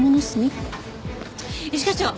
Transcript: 一課長